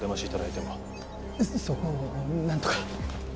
そこをなんとか。